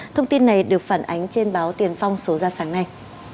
thông tin này được phản ánh trên báo tiền phong số ra sáng nay